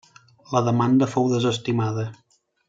La demanda fou desestimada.